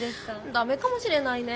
ダメかもしれないね。